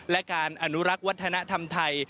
และการอนุรักษ์วัฒนธรรมไทย